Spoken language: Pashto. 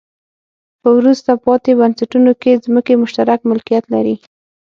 په وروسته پاتې بنسټونو کې ځمکې مشترک ملکیت لري.